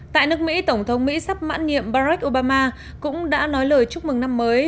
tại nước mỹ tổng thống mỹ sắp mãn nhiệm barack obama cũng đã nói lời chúc mừng năm mới